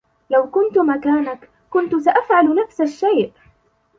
لو كنتُ مكانك, كنتُ سأفعل نفس الشئ؟